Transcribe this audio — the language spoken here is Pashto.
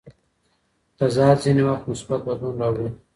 تضاد ځینې وخت مثبت بدلون راوړي.